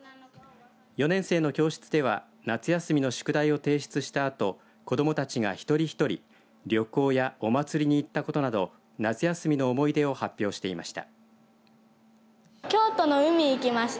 ４年生の教室では夏休みの宿題を提出したあと子どもたちが、一人一人旅行やお祭りに行ったことなど夏休みの思い出を発表していました。